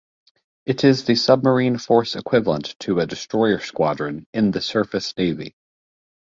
It is the submarine force equivalent to a destroyer squadron in the surface Navy.